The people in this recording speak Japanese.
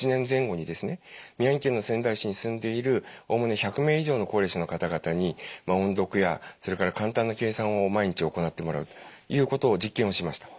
宮城県の仙台市に住んでいるおおむね１００名以上の高齢者の方々に音読やそれから簡単な計算を毎日行ってもらうということを実験をしました。